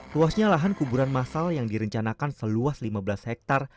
luasnya lahan kuburan masal yang direncanakan seluas lima belas hektare